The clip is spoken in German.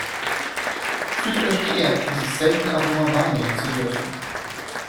Fühlt euch geehrt, dieses seltene Aroma wahrnehmen zu dürfen!